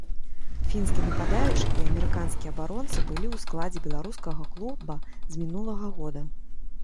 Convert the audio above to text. Фінскі нападаючы і амерыканскі абаронца былі ў складзе беларускага клуба з мінулага года.